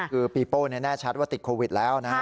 คือปีโป้แน่ชัดว่าติดโควิดแล้วนะฮะ